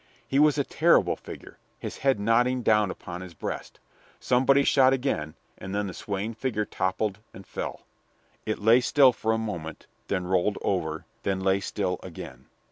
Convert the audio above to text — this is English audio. He was a terrible figure his head nodding down upon his breast. Somebody shot again, and then the swaying figure toppled and fell. It lay still for a moment then rolled over then lay still again.